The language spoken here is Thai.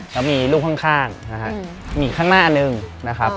แล้วมีลูกข้างมีข้างหน้าอันหนึ่งนะครับ